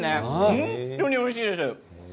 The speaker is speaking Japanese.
本当においしいです。